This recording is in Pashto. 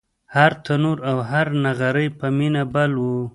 هر تنور او هر نغری په مینه بل و